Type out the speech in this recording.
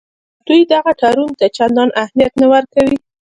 دوی دغه تړون ته چندان اهمیت نه ورکوي.